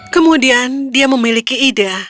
kemudian dia memiliki ide